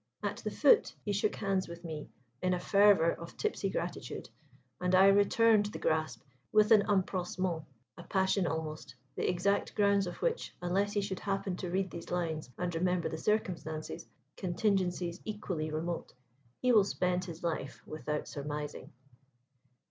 At the foot he shook hands with me in a fervour of tipsy gratitude: and I returned the grasp with an empressement, a passion almost, the exact grounds of which unless he should happen to read these lines and remember the circumstances contingencies equally remote he will spend his life without surmising.